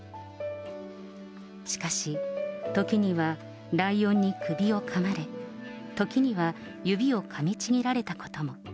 しかし、時にはライオンに首をかまれ、時には指をかみちぎられたことも。